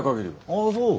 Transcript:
ああそう。